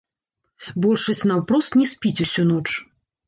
Большасць наўпрост не спіць усю ноч.